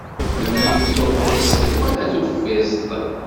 Menyif tuṭṭist wala tuffiẓt.